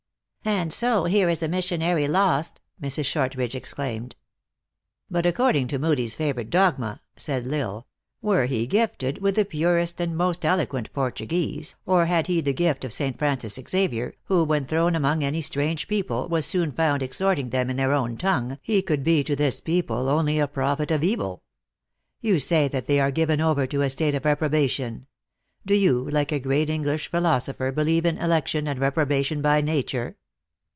" And so here is a missionary lost !" Mrs. Short ridge exclaimed. "But, according to Hoodie s favorite dogma," said L Isle, " were he gifted with the purest and most elo quent Portuguese, or had he the gift of St. Francis Xavier, who, when thrown among any strange people, was soon found exhorting them in their own tongue, he could be to this people only a prophet of evil. You say that they are given over to a state of repro bation. Do you, like a great English philosopher, believe in election and reprobation by nature